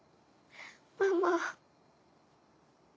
ママ。